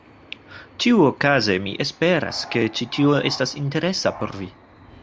Ĉiuokaze mi esperas, ke ĉi tio estas interesa por vi.